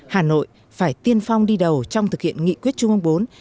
hà nội phải tiên phong đi đầu trong thực hiện nghị quyết trung ương bốn